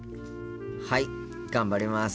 はい頑張ります。